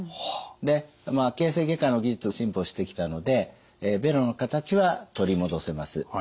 で形成外科の技術が進歩してきたのでベロの形は取り戻せます。